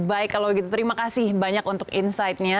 baik kalau gitu terima kasih banyak untuk insightnya